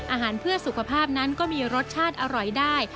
อาหารเพื่อสุขภาพนั้นก็มีรสชาติอร่อยได้